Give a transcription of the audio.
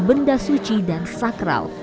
benda suci dan sakral